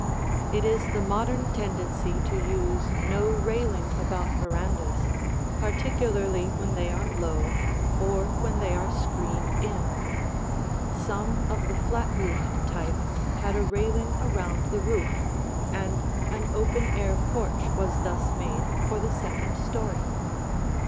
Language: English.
It is the modern tendency to use no railing about verandas, particularly when they are low or when they are screened in. Some of the flat roofed type had a railing around the roof, and an open air porch was thus made for the second story.